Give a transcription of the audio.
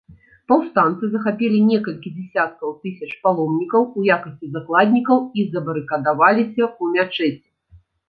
Паўстанцы захапілі некалькі дзесяткаў тысяч паломнікаў у якасці закладнікаў і забарыкадаваліся ў мячэці.